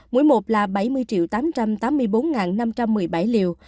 mỗi một là bảy mươi tám trăm tám mươi bốn năm trăm một mươi bảy liều